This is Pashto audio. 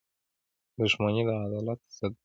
• دښمني د عدالت ضد ده.